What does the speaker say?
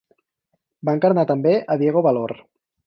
Va encarnar també a Diego Valor.